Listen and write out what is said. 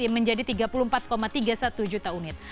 menjadi tiga puluh empat tiga puluh satu juta unit